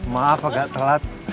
maaf agak telat